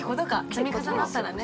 積み重なったらね。